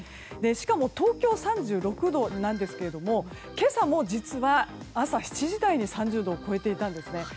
しかも、東京は３６度なんですが今朝も、実は朝７時台に３０度を超えていたんですね。